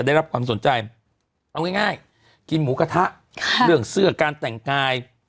ได้รับความสนใจเอาง่ายกินหมูกระทะเรื่องเสื้อการแต่งกาย